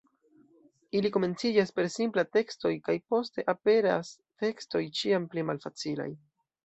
Ili komenciĝas per simplaj tekstoj kaj poste aperas tekstoj ĉiam pli malfacilaj.